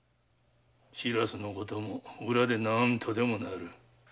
白州のことも裏で何とでもなる。